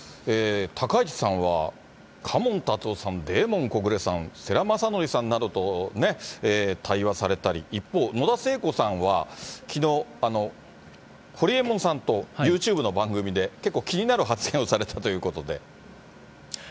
高市さんは嘉門タツオさん、デーモン小暮さん、世良公則さんなどと、対話されたり、一方、野田聖子さんはきのう、ホリエモンさんと、ユーチューブの番組で、結構気になる発言をされたということで。